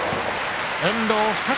遠藤２桁。